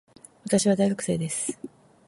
私は大学生です